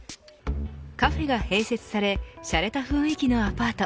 カフェが併設されしゃれた雰囲気のアパート。